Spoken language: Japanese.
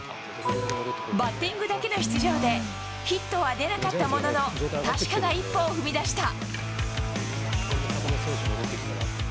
バッティングだけの出場で、ヒットは出なかったものの、確かな一歩を踏み出した。